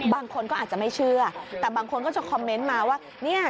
บางคนก็อาจจะไม่เชื่อแต่บางคนก็จะคอมเมนต์มาว่าเนี่ย